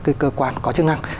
các cái cơ quan có chức năng